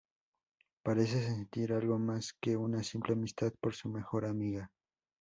Parece sentir algo más que una simple amistad por su mejor amiga.